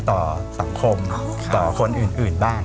ต่อสังคมต่อคนอื่นบ้าง